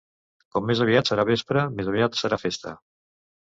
Com més aviat serà vespre, més aviat serà festa.